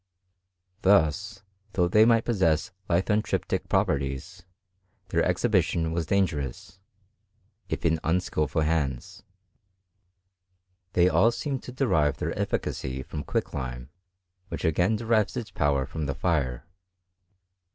Thus, though they might possess lithontriptMl properties, their exhibition was dangerous, if in iijP* skilful hands. They all seemed to derive their eftj cacy from quicklime, which again derives its powtf from the fire.